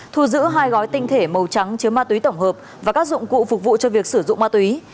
thu giữ hai gói tinh thể màu trắng chứa ma túy tổng hợp và các dụng cụ phục vụ cho việc sử dụng ma túy